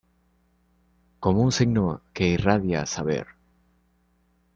Como un signo que irradia saber.